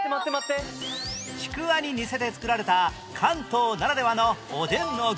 ちくわに似せて作られた関東ならではのおでんの具